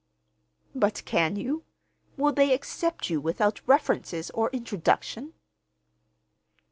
"But can you? Will they accept you without references or introduction?"